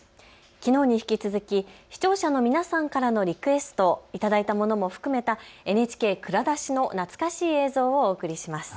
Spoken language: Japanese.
きのうに引き続き視聴者の皆さんからのリクエスト、頂いたものも含めたＮＨＫ蔵出しの懐かしい映像をお送りします。